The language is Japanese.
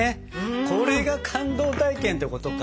これが「感動体験」ってことか！